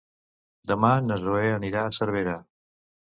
Demà na Zoè anirà a Cervera.